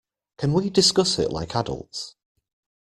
Can we discuss it like adults?